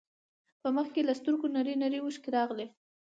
په مخ يې له سترګو نرۍ نرۍ اوښکې راغلې.